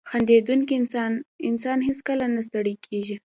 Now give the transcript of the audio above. • خندېدونکی انسان هیڅکله نه ستړی کېږي.